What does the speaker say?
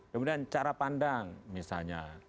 kemudian cara pandang misalnya